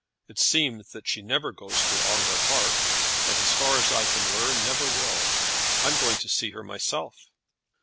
It seems that she never goes to Ongar Park, and, as far as I can learn, never will. I'm going to see her myself."